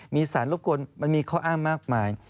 มีสารรบกวนมันมีข้ออ้างมากมาย